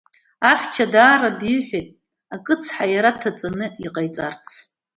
Ахьча даара диҳәеит акәыцҳа иара дҭаҵаны иҟаиҵарц.